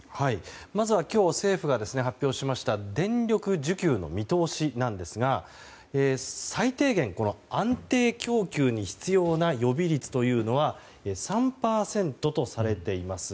まずは今日、政府が発表しました電力需給の見通しですが最低限、安定供給に必要な予備率というのは３％とされています。